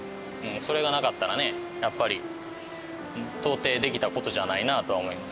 それがなかったらねやっぱり到底できた事じゃないなとは思います。